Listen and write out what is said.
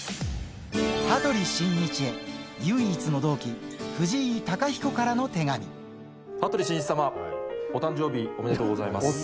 羽鳥慎一へ、唯一の同期、藤井貴羽鳥慎一さま、お誕生日おめでとうございます。